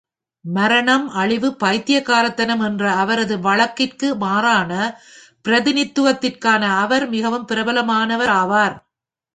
மரணம், அழிவு, பைத்தியக்காரத்தனம் என்ற அவரது வழக்கத்திற்கு மாறான பிரதிநிதித்துவத்திற்காக அவர் மிகவும் பிரபலமானவர் ஆவார்.